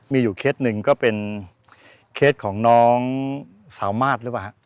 มีอยู่เคสหนึ่งก็เป็นเคสของน้องสาวมาสหรือเปล่าฮะ